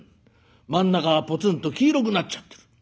真ん中がぽつんと黄色くなっちゃってる。